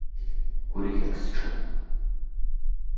Гәырӷьак сҿықәуп.